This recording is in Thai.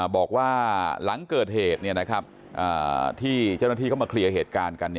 บอกว่าหลังเกิดเหตุที่เจ้าหน้าที่เข้ามาเคลียร์เหตุการณ์กัน